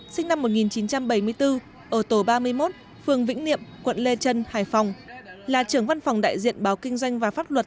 sinh năm một nghìn chín trăm bảy mươi bốn ở tổ ba mươi một phường vĩnh niệm quận lê trân hải phòng là trưởng văn phòng đại diện báo kinh doanh và pháp luật